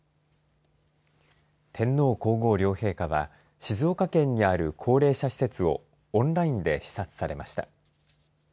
天皇皇后両陛下は静岡県にある高齢者施設をオンラインで視察されました。